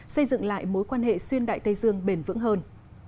xây dựng lại mối quan hệ xuyên đại tây dương bền vững hơn